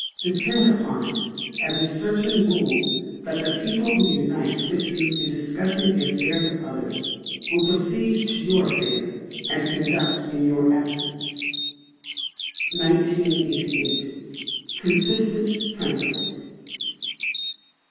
Depend upon it, as a certain rule, _that the people who unite with you in discussing the affairs of others will proceed to your affairs and conduct in your absence_. 1988. Consistent Principles.